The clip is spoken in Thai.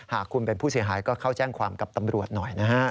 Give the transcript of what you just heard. หากคุณเป็นผู้เสียหายก็เข้าแจ้งความกับตำรวจหน่อยนะฮะ